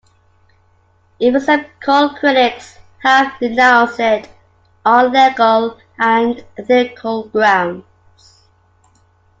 Even some cult critics have denounced it on legal and ethical grounds.